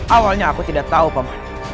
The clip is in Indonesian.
awalnya aku tidak tahu pak man